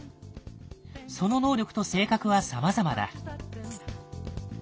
その能力と性格はさまざまだ。